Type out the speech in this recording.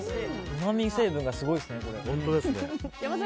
うまみ成分がすごいですね。